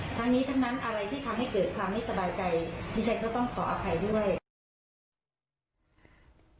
ทั้งนี้ทั้งนั้นอะไรที่ทำให้เกิดความไม่สบายใจดิฉันก็ต้องขออภัยด้วย